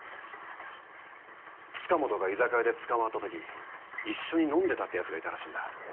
塚本が居酒屋で捕まった時一緒に飲んでたって奴がいたらしいんだ。